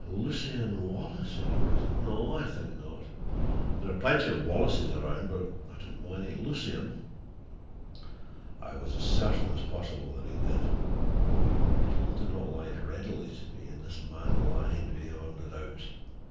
"Lucien Wallace?" he repeated. "No, I think not. There are plenty of Wallaces around, but I don't know any Lucien." I was as certain as possible that he did. People do not lie readily to me, and this man lied beyond a doubt.